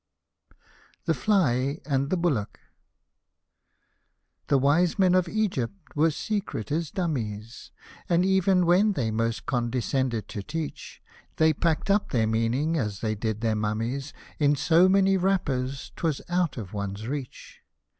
''^ THE FLY AND THE BULLOCK The wise men of Egypt were secret as dummies ; And, ev'n when they most condescended to teach. They packed up their meaning, as they did their mummies. In so many wrappers, 'twas out of one's reach.